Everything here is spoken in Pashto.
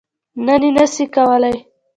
ته یی نه سی کولای